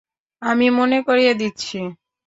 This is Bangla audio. আমি মনে করিয়ে দিচ্ছি।